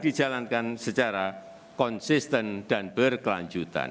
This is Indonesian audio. dijalankan secara konsisten dan berkelanjutan